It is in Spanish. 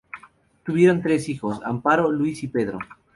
Tuvieron tres hijos: Amparo, Luis y Pedro.